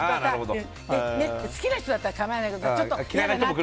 好きな人だったら構わないけどちょっと嫌だなって。